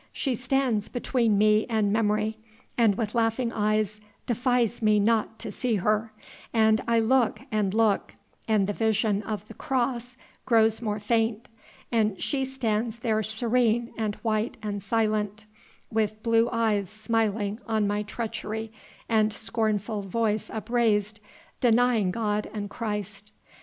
She stands between me and memory, and with laughing eyes defies me not to see her, and I look and look, and the vision of the Cross grows more faint, and she stands there serene and white and silent, with blue eyes smiling on my treachery and scornful voice upraised, denying God and Christ.